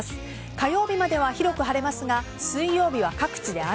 火曜日までは広く晴れますが水曜日は各地で雨。